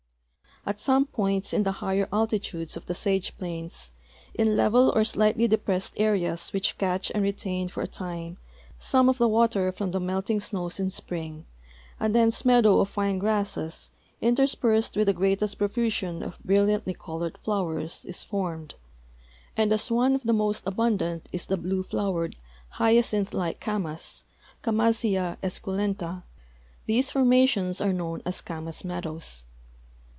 . At some points in the higher altitudes of the sage plains, in level or slightly depressed areas which catch and retain for a time some of the water from the melting snows in spring, a dense meadow of fine gra.sses, interspersed with the greatest profusion of brilliantly colored flowers, is formed, and as one of the most THE SAGE PLAINS OF OREGON 199 abundant is the blue flowered hyacinth like camas, Camassia esculenta, these formations are known as camas meadows.